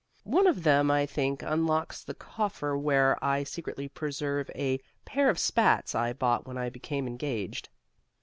One of them, I think, unlocks the coffer where I secretly preserve the pair of spats I bought when I became engaged.